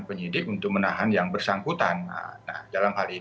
telah bergabung bersama kami